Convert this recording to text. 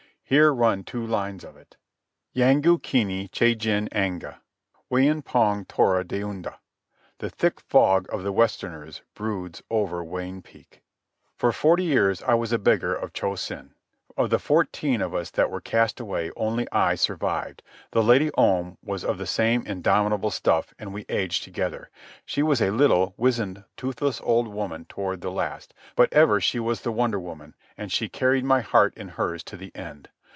Here run two lines of it: "Yanggukeni chajin anga Wheanpong tora deunda, The thick fog of the Westerners Broods over Whean peak." For forty years I was a beggar of Cho Sen. Of the fourteen of us that were cast away only I survived. The Lady Om was of the same indomitable stuff, and we aged together. She was a little, weazened, toothless old woman toward the last; but ever she was the wonder woman, and she carried my heart in hers to the end.